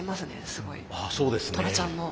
すごいトラちゃんの。